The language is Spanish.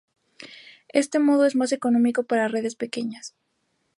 Este modo es más económico para redes pequeñas.